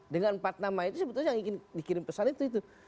dengan empat nama itu sebetulnya yang ingin dikirim pesan itu itu